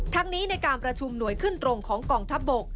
นี้ในการประชุมหน่วยขึ้นตรงของกองทัพบก